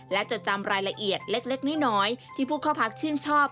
และจดจำรายละเอียดเล็กน้อยที่ผู้เข้าพักชื่นชอบ